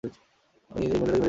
আমি ওই মহিলাকে মেরেই ফেলব।